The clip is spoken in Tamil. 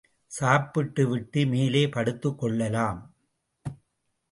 சாப்பிட்டு விட்டு மேலே படுத்துக் கொள்ளலாம்.